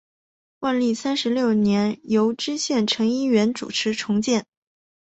万历三十六年由知县陈一元主持重建。